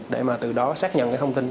để từ đó xác nhận được những tin đồn